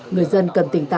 người dân cần tỉnh tạm